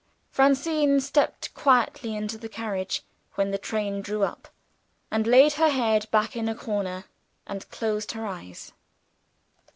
Francine stepped quietly into the carriage, when the train drew up, and laid her head back in a corner, and closed her eyes.